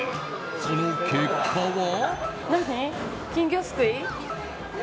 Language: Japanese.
その結果は。